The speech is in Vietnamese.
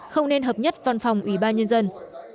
không nên hợp nhất văn phòng ủy ban nhân dân